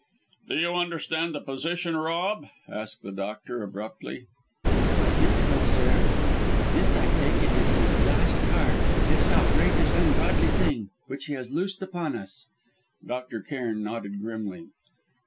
"Do you understand the position, Rob?" asked the doctor, abruptly. "I think so, sir. This I take it is his last card; this outrageous, ungodly Thing which he has loosed upon us." Dr. Cairn nodded grimly.